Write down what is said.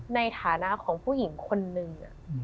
ในฐานะของผู้หญิงคนนึง